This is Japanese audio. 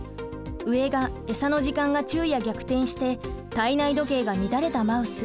上がエサの時間が昼夜逆転して体内時計が乱れたマウス。